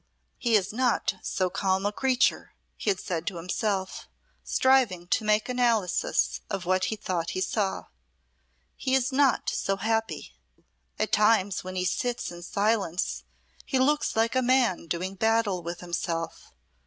"He is not so calm a creature," he had said to himself, striving to make analysis of what he thought he saw. "He is not so happy. At times when he sits in silence he looks like a man doing battle with himself.